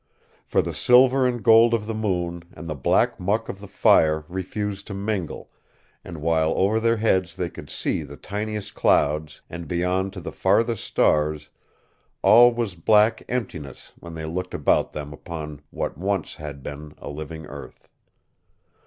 For the silver and gold of the moon and the black muck of the fire refused to mingle, and while over their heads they could see the tiniest clouds and beyond to the farthest stars, all was black emptiness when they looked about them upon what once had been a living earth.